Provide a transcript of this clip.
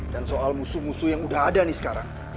dan soal musuh musuh yang udah ada nih sekarang